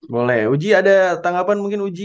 boleh uji ada tanggapan mungkin uji